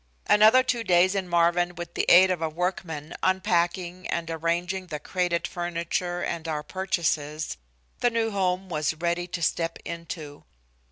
Another two days in Marvin with the aid of a workman unpacking and arranging the crated furniture and our purchases, and the new home was ready to step into.